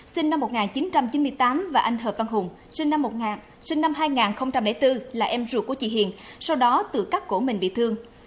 sinh năm một nghìn chín trăm chín mươi tám và anh hợp văn hùng sinh năm hai nghìn bốn là em ruột của chị hiền sau đó tự cắt cổ mình bị thương